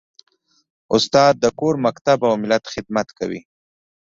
استاد د کور، مکتب او ملت خدمت کوي.